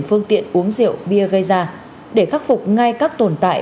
phương tiện uống rượu bia gây ra để khắc phục ngay các tồn tại